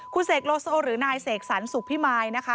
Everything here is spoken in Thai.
คุณเสกโลโซหรือนายเสกสรรสุขพิมายนะคะ